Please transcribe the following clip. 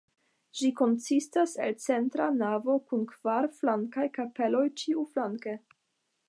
Ĝi konsistas el centra navo kun kvar flankaj kapeloj ĉiuflanke.